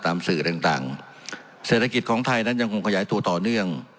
สื่อต่างเศรษฐกิจของไทยนั้นยังคงขยายตัวต่อเนื่อง